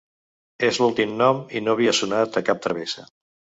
És l’últim nom i no havia sonat a cap travessa.